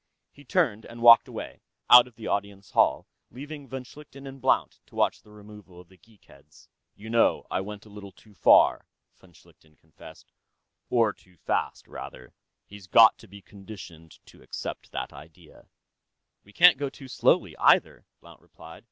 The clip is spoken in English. He turned and walked away, out of the Audience Hall, leaving von Schlichten and Blount to watch the removal of the geek heads. "You know, I went a little too far," von Schlichten confessed. "Or too fast, rather. He's got to be conditioned to accept that idea." "We can't go too slowly, either," Blount replied.